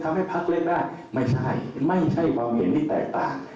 พักเล่นได้ไม่ใช่ไม่ใช่ความเห็นที่แตกต่าง